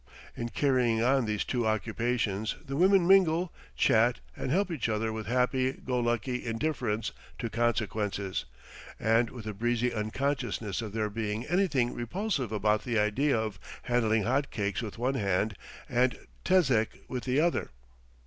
In carrying on these two occupations the women mingle, chat, and help each other with happy go lucky indifference to consequences, and with a breezy unconsciousness of there being anything repulsive about the idea of handling hot cakes with one hand and tezek with the other.